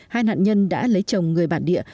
hai nạn nhân đã lấy chồng người bản địa